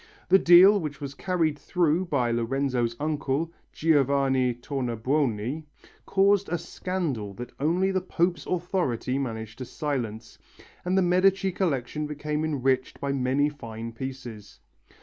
The deal, which was carried through by Lorenzo's uncle, Giovanni Tornabuoni, caused a scandal that only the Pope's authority managed to silence, and the Medici collection became enriched by many fine pieces.